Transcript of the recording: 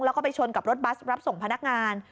แล้วก็ไปชนกับรถบัสรับส่งพนักงาน